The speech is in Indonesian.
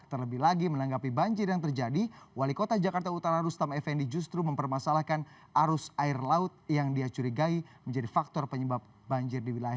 terlebih lagi menanggapi banjir yang terjadi wali kota jakarta utara rustam effendi justru mempermasalahkan arus air laut yang dia curigai menjadi faktor penyebab banjir di wilayah